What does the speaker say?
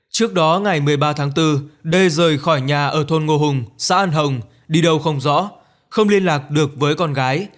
trước đó ngày một mươi ba tháng bốn đê rời khỏi nhà ở thôn ngô hùng xã an hồng đi đâu không rõ không liên lạc được với con gái